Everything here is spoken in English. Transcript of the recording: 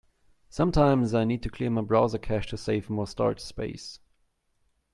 Sometines, I need to clear my browser cache to save more storage space.